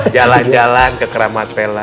jalan jalan ke keramat vella